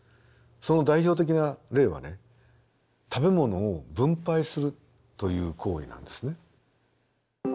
その代表的な例は食べ物を分配するという行為なんですね。